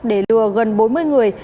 để lừa gần bốn mươi người